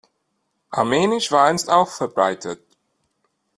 Armenisch war einst auch verbreitet.